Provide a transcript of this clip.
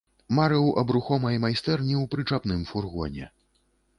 Марыў аб рухомай майстэрні ў прычапным фургоне.